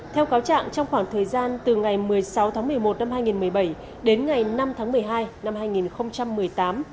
theo cáo trạng trong khoảng thời gian từ ngày một mươi sáu tháng một mươi một năm hai nghìn một mươi bảy đến ngày năm tháng một mươi hai năm hai nghìn một mươi tám